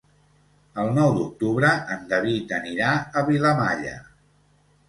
El nou d'octubre en David anirà a Vilamalla.